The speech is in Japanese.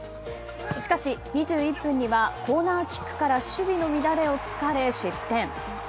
しかし２１分にはコーナーキックから守備の乱れを突かれ失点。